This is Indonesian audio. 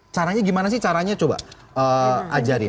caranya gimana sih caranya coba ajarin